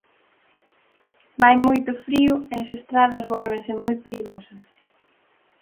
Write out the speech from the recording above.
Vai moito frío e as estradas vólvense moi perigosas.